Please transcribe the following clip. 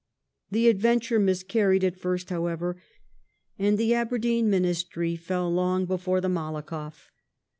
The adventure miscarried at first, however, and the Aberdeen Ministry fell long before the MalakoflF.